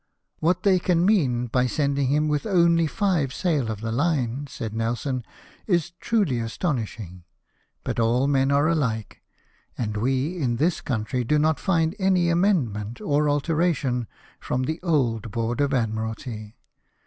" What they can mean by a 82 LIFE OF NELSON. sending him with only live sail of the line/' said Nelson, "is truly astonishing, but all men are alike, and we in this country do not find any amendment or alteration from the old Board of Admiralty.